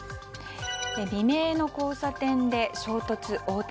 未明の交差点で衝突・横転。